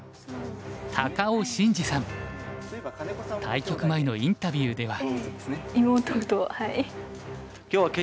対局前のインタビューでは。